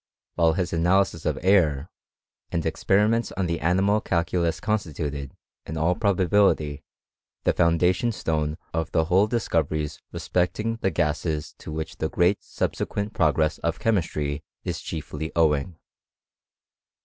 While s analysis of air, and experiments on the animal Iculus constituted, in all probability, the foundation 3ne of the whole discoveries respecting the gases to lich the great subsequent progress of chemistry ia iefly owing.